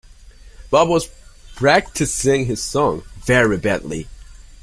Bob was practising his song, very badly.